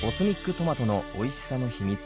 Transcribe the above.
トマトのおいしさの秘密